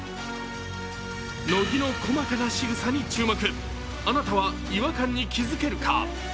乃木の細かなしぐさに注目、あなたは違和感に気づけるか？